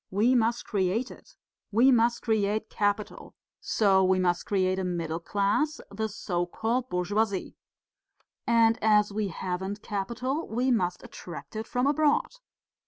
We must create it. We must create capital, so we must create a middle class, the so called bourgeoisie. And as we haven't capital we must attract it from abroad.